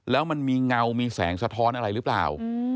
แล้วมันมีเงามีแสงสะท้อนอะไรหรือเปล่า